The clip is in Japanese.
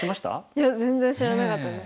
いや全然知らなかったです。